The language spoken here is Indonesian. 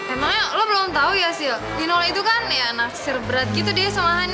emangnya lo belum tau ya sil rino itu kan ya naksir berat gitu deh sama hany